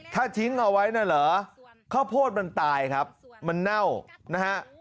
ถ้าทิ้งเอาไว้น่ะเหรอข้าวโพดมันตายครับมันเน่านะฮะ